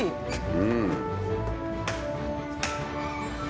うん！